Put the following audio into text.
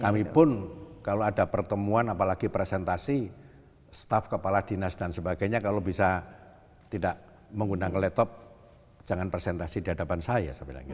kami pun kalau ada pertemuan apalagi presentasi staff kepala dinas dan sebagainya kalau bisa tidak menggunakan laptop jangan presentasi di hadapan saya saya bilang